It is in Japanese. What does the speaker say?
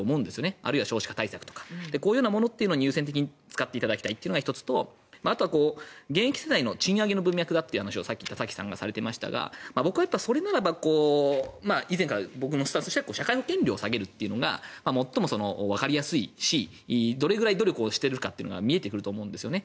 あるいは少子化対策とかこういうものに優先的に使ってほしいというのが１つとあとは現役世代の賃上げの文脈だという話をさっき田崎さんがされていましたが僕はそれならば僕は以前から言っていますが社会保険料を下げるというのが最もわかりやすいしどれぐらい努力をしているかが見えてくると思うんですね。